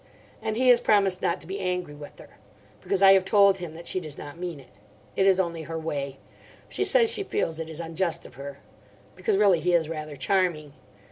And he has promised not to be angry with her. Because I have told him that she does not mean it. It is only her way. She says she feels it is unjust of her. Because really he is rather charming.